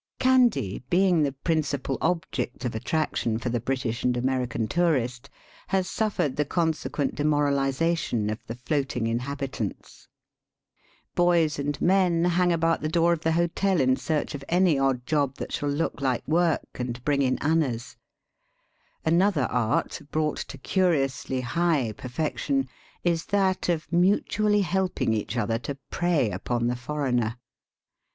Kandy, being the principal object of attrac tion for the British and American tourist, has suffered the consequent demoralization of the floating inhabitants. Boys and men hang about the door of the hotel in search of any odd job that shall look like work and bring in Digitized by VjOOQIC THE ISLE OF SPICY BBEEZES. 155 annas. Another art, brought to curiously high perfection, is that of mutually helping each other to prey upon the foreigner.